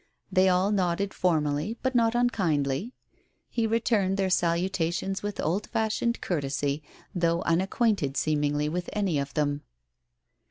They all nodded formally, but not unkindly. He returned their saluta tions with old fashioned courtesy, though unacquainted seemingly with any of them.